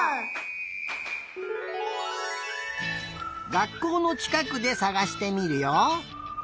がっこうのちかくでさがしてみるよ。